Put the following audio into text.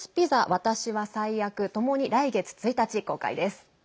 「わたしは最悪。」ともに来月１日公開です。